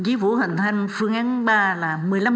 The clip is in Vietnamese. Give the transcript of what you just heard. chí phủ học thanh phương án ba là một mươi năm